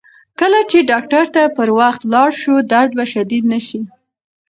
کله چې ډاکتر ته پر وخت ولاړ شو، درد به شدید نه شي.